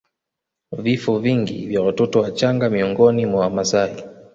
Vifo vingi vya watoto wachanga miongoni mwa Wamasai